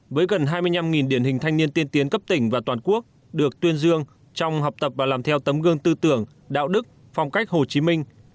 với gần hai mươi năm điển hình thanh niên tiên tiến cấp tỉnh và toàn quốc được tuyên dương trong học tập và làm theo tấm gương tư tưởng đạo đức phong cách hồ chí minh